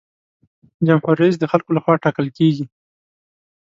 جمهور رئیس د خلکو له خوا ټاکل کیږي.